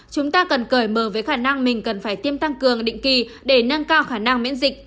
chúng ta cần cởi mở với khả năng mình cần phải tiêm tăng cường định kỳ để nâng cao khả năng miễn dịch